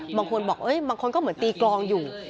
บางคนบอกบางคนก็เหมือนตีกลองอยู่